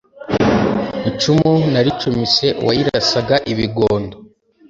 Icumu naricumise uwayirasaga ibigondo.